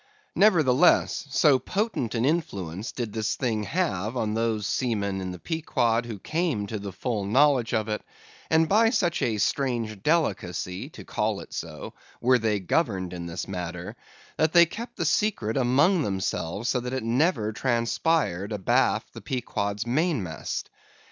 Nevertheless, so potent an influence did this thing have on those seamen in the Pequod who came to the full knowledge of it, and by such a strange delicacy, to call it so, were they governed in this matter, that they kept the secret among themselves so that it never transpired abaft the Pequod's main mast.